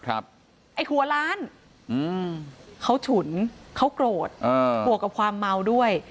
ไอ้หัวล้านเขาฉุนเขาโกรธบวกกับความเมาด้วย